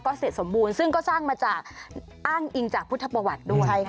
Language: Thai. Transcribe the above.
เสร็จสมบูรณ์ซึ่งก็สร้างมาจากอ้างอิงจากพุทธประวัติด้วย